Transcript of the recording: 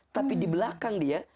tapi di belakang dia